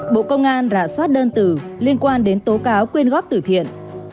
bộ công an rã soát đơn từ liên quan đến tố cáo quyên góp từ thiện